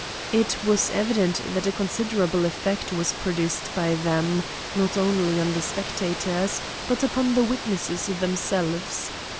It was evident that a considerable effect was produced by them, not only on the spectators, but upon the witnesses themselves.